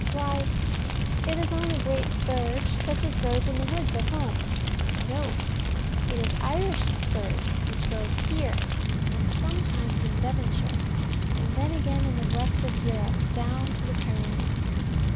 Why, it is only great spurge, such as grows in the woods at home. No. It is Irish spurge which grows here, and sometimes in Devonshire, and then again in the west of Europe, down to the Pyrenees.